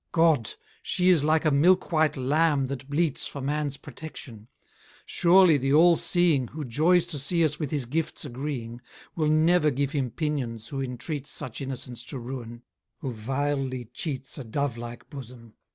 God! she is like a milk white lamb that bleats For man's protection. Surely the All seeing, Who joys to see us with his gifts agreeing, Will never give him pinions, who intreats Such innocence to ruin, who vilely cheats A dove like bosom.